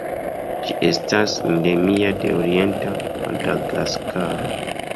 Ĝi estas endemia de orienta Madagaskaro.